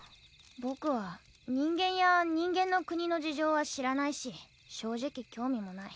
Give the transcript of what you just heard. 僕は人間や人間の国の事情は知らないし正直興味もない。